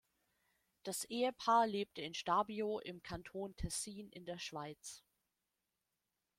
Das Ehepaar lebte in Stabio im Kanton Tessin in der Schweiz.